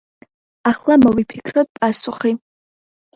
ახლა მოვიფიქროთ პასუხი.